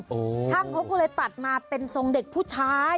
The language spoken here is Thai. ช่างเขาก็เลยตัดมาเป็นทรงเด็กผู้ชาย